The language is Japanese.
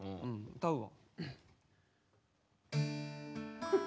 歌うわ。